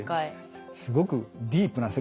すごくディープな世界。